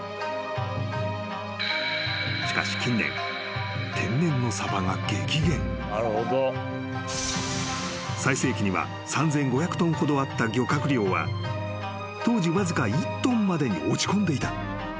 ［しかし］［最盛期には３，５００ｔほどあった漁獲量は当時わずか１ｔまでに落ち込んでいた。